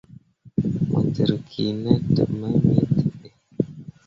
Mo dǝrriki ne deb mai me teɓe.